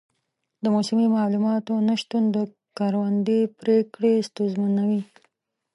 د موسمي معلوماتو نه شتون د کروندې پریکړې ستونزمنوي.